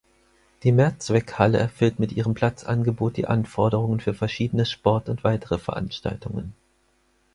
Die Mehrzweckhalle erfüllt mit ihrem Platzangebot die Anforderungen für verschiedene Sport- und weitere Veranstaltungen.